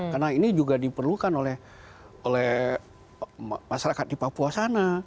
karena ini juga diperlukan oleh masyarakat di papua sana